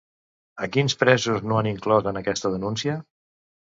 A quins presos no han inclòs en aquesta denúncia?